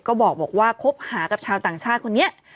ก็บอกว่าคบหากับชาวต่างชาติคนนี้